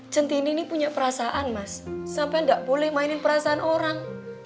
centini ini punya perasaan mas sampai nggak boleh mainin perasaan orang